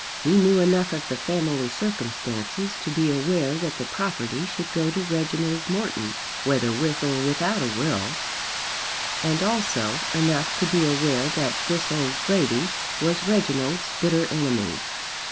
He knew enough of the family circumstances to be aware that the property should go to Reginald Morton whether with or without a will, and also enough to be aware that this old lady was Reginald's bitter enemy.